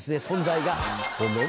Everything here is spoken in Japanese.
存在が。